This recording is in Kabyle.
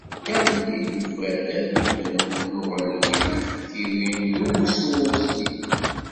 Galili yufa-d alugen n uɣelluy n tfekkiwin d umussu uzlig.